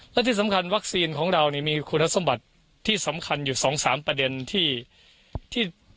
และที่สำคัญวัคซีนของเรามีคุณสมบัติที่สำคัญอยู่๒๓ประเด็นที่